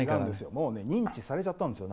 もう認知されちゃったんですよ